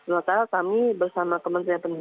maka kami bersama kementerian pendidikan